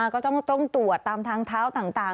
ก็ต้องตรวจตามทางเท้าต่าง